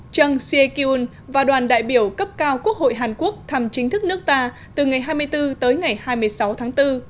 chang seo kyun và đoàn đại biểu cấp cao quốc hội hàn quốc thăm chính thức nước ta từ ngày hai mươi bốn tới ngày hai mươi sáu tháng bốn